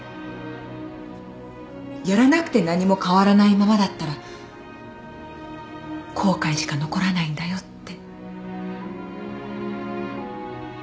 やらなくて何も変わらないままだったら後悔しか残らないんだよって。